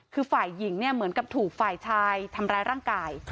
คือฝ่ายหญิงเนี่ยเหมือนกับถูกฝ่ายชายทำร้ายร่างกาย